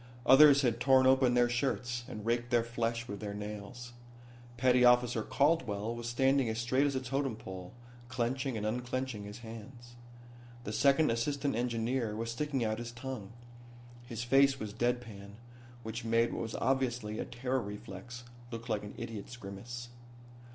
Others had torn open their shirts, and raked their flesh with their nails. Petty officer Caldwell was standing as straight as a totem pole, clenching and unclenching his hands. The second assistant engineer was sticking out his tongue. His face was deadpan, which made what was obviously a terror reflex look like an idiot's grimace.